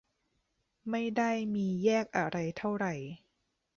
ไม่ได้มีแยกอะไรเท่าไหร่